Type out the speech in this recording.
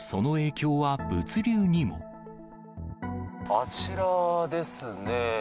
あちらですね。